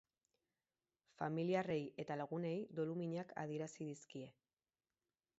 Familiarrei eta lagunei doluminak adierazi dizkie.